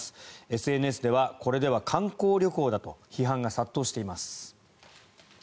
ＳＮＳではこれでは観光旅行だと批判が殺到しています。